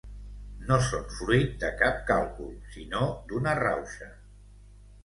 no són fruit de cap càlcul, sinó d'una rauxa